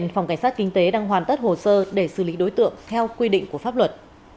hiện phòng cảnh sát kinh tế đang hoàn tất hồ sơ để xử lý đối tượng theo quy định của pháp luật